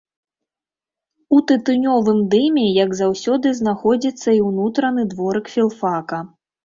У тытунёвым дыме, як заўсёды, знаходзіцца і ўнутраны дворык філфака.